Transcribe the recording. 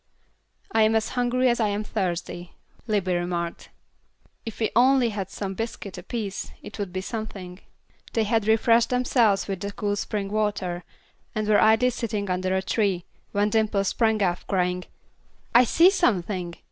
"I am as hungry as I am thirsty," Libbie remarked. "If we only had one biscuit apiece, it would be something." They had refreshed themselves with the cool spring water, and were idly sitting under a tree, when Dimple sprang up, crying, "I see something!"